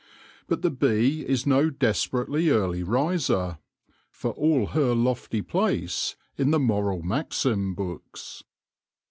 But the bee is no desperately early riser, for all her lofty place in the moral maxim books.